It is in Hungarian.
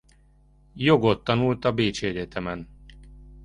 Jogot tanult a Bécsi Egyetemen.